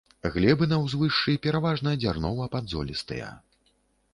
Глебы на ўзвышшы пераважна дзярнова-падзолістыя.